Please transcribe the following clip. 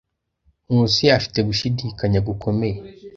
Nkusi afite gushidikanya gukomeye.